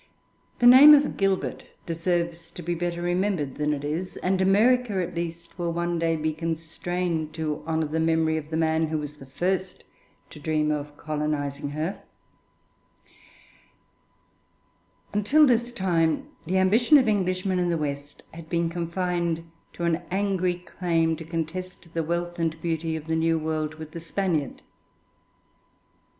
The name of Gilbert deserves to be better remembered than it is; and America, at least, will one day be constrained to honour the memory of the man who was the first to dream of colonising her shores. Until his time, the ambition of Englishmen in the west had been confined to an angry claim to contest the wealth and beauty of the New World with the Spaniard.